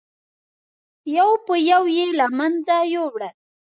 یو په یو یې له منځه یووړل.